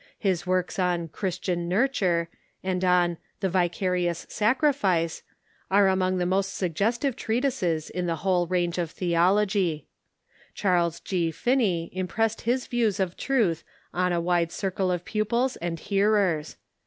His Avorks on "Christian Nurture" and on "The Vicarious Sacrifice" are among the most suggestive treatises in the whole range of theology, Charles G. Finney impressed his views of truth on a wide circle of pupils and hearers.